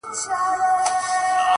عشقه اول درد وروسته مرحم راکه.